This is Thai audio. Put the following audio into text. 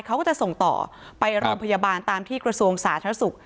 เขาก็จะส่งต่อไปโรงพยาบาลตามที่กระทรวงสาธารณสุข